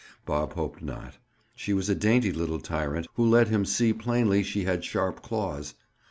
Bob hoped not. She was a dainty little tyrant who let him see plainly she had sharp claws.